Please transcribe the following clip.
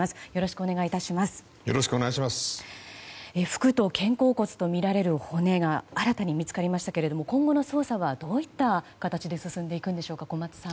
服と肩甲骨とみられる骨が新たに見つかりましたけれども今後の捜査はどういった形で進んでいくんでしょうか。